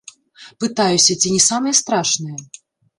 Пытаюся, ці не самае страшнае?